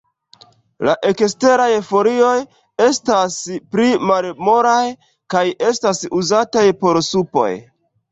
La eksteraj folioj estas pli malmolaj, kaj estas uzataj por supoj.